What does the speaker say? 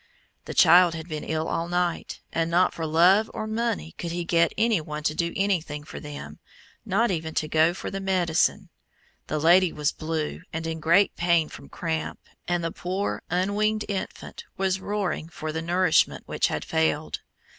The child had been ill all night, and not for love or money could he get any one to do anything for them, not even to go for the medicine. The lady was blue, and in great pain from cramp, and the poor unweaned infant was roaring for the nourishment which had failed.